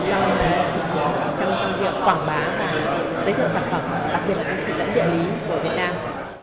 trong việc quảng bá và giới thiệu sản phẩm đặc biệt là các chỉ dẫn địa lý của việt nam